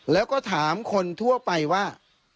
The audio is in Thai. แล้วก็ถามคนทั่วไปว่า